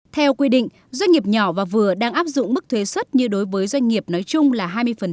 theo quy định doanh nghiệp nhỏ và vừa đang áp dụng mức thuế xuất như đối với doanh nghiệp nói chung là hai mươi